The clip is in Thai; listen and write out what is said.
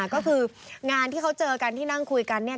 ก็คืองานที่เขาเจอกันที่นั่งคุยกันเนี่ย